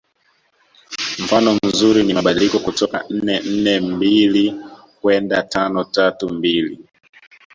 Mfano mzuri ni mabadiliko kutoka nne nne mbili kwenda tano tatu mbili